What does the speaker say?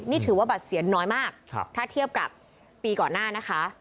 นี่ถือว่าบัตรเสียน้อยมากถ้าเทียบกับปีก่อนหน้านะคะ